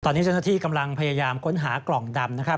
ตอนนี้เจ้าหน้าที่กำลังพยายามค้นหากล่องดำนะครับ